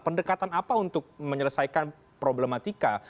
pendekatan apa untuk menyelesaikan problematika